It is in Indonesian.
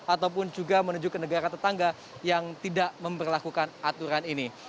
ataupun juga menuju ke negara tetangga yang tidak memperlakukan aturan ini